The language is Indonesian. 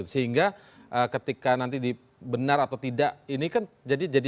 sehingga ketika nanti benar atau tidak ini kan jadi